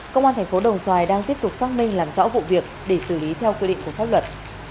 công an tp đồng xoài đang tiếp tục xăng minh làm rõ vụ việc để xử lý theo quy định của pháp luật